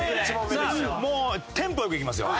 さあもうテンポ良くいきますよ。